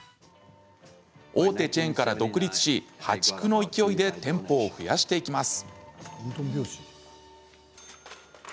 大手チェーンから独立し破竹の勢いで店舗を増やしていきます。